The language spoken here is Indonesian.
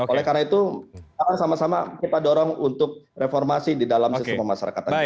oleh karena itu sama sama kita dorong untuk reformasi di dalam sistem pemasarakatan